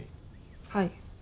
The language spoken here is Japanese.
はい。